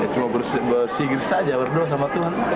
ya cuma bersih bersih saja berdoa sama tuhan